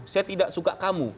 saya tidak suka kamu